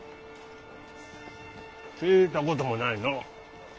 聞いたこともないのう。